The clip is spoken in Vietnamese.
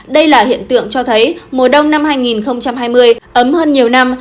đây là hiện tượng cho thấy mùa đông năm hai nghìn hai mươi ấm hơn nhiều năm